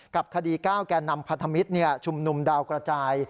กับคดี๙แก่นำพันธมิตรชุมนุมดาวกระจาย